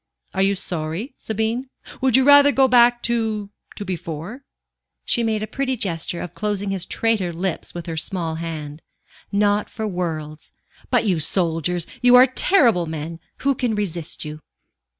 "Are you sorry, Sabine? Would you rather go back to to before?" She made a pretty gesture of closing his traitor lips with her small hand. "Not for worlds. But you soldiers you are terrible men! Who can resist you?"